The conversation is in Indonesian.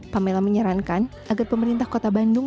pamela menyarankan agar pemerintah kota bandung